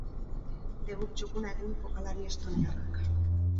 Debut txukuna egin du jokalari estoniarrak.